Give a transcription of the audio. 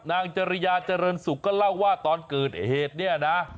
จริยาเจริญสุขก็เล่าว่าตอนเกิดเหตุเนี่ยนะ